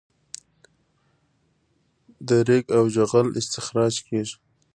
د ریګ او جغل استخراج کیږي